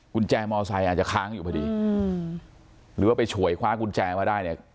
กุญแจมอไซค์อาจจะค้างอยู่พอดีอืมหรือว่าไปฉวยคว้ากุญแจมาได้เนี่ย